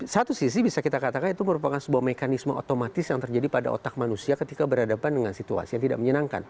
satu sisi bisa kita katakan itu merupakan sebuah mekanisme otomatis yang terjadi pada otak manusia ketika berhadapan dengan situasi yang tidak menyenangkan